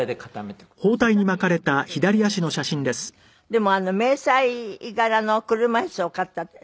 でも迷彩柄の車椅子を買ったって。